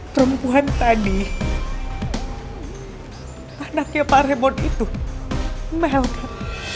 perempuan tadi anaknya pak remot itu mel kan